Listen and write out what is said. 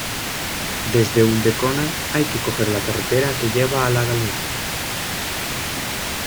Desde Ulldecona, hay que coger la carretera que lleva a la Galera.